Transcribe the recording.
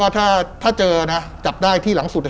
ถ้าเจอนะจับได้ที่หลังสุด